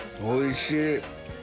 おいしい！